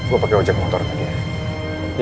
gue pakai wajah ke motoran lagi ya